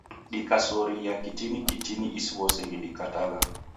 Dikasoria katini katini isiw'ose ghikatagha.